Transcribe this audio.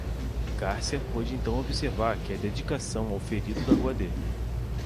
Garcia pôde então observar que a dedicação ao ferido da rua D.